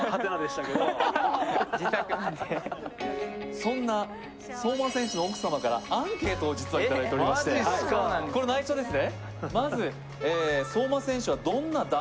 そんな相馬選手の奥様からアンケートをいただいてまして、内緒ですね。